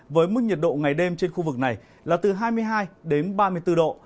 với mức nhiệt độ ngày đêm trên khu vực này là từ hai mươi hai đến ba mươi bốn độ